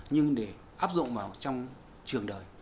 nhưng để áp dụng vào trong trường đời